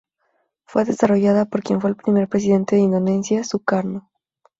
Fue desarrollada por quien fue el primer presidente de Indonesia, Sukarno.